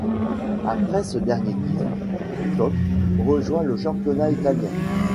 Après ce dernier titre, Kukoč rejoint le championnat italien.